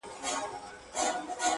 ده ویله نه طالب یم نه ویلی مي مکتب دی,